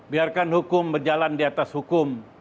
biarkan hukum berjalan di atas hukum